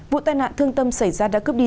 vụ tai nạn thương tâm xảy ra đã cướp đi